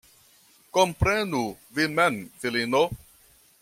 Komprenu vin mem, filino.